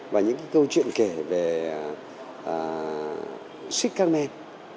và những cái câu chuyện kể về sweet carmen